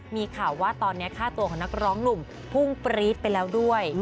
มีข่าวว่าตอนนี้ค่าตัวของนักร้องหนุ่มพุ่งปรี๊ดไปแล้วด้วย